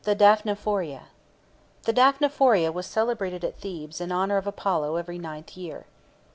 DAPHNEPHORIA. The Daphnephoria was celebrated at Thebes in honour of Apollo every ninth year.